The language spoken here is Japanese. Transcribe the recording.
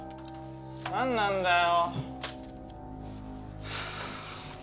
何なんだよ。